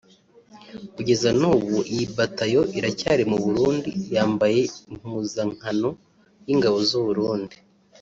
kugeza nan’ubu iyi bataillon iracyari mu Burundi yambaye impuzankano y’ingabo z’u Burundi